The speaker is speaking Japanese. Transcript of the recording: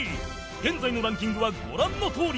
現在のランキングはご覧のとおり